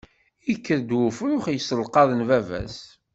Ikker-d ufrux yesselqaḍen baba-s.